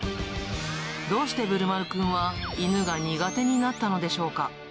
どうしてぶるまるくんは犬が苦手になったのでしょうか。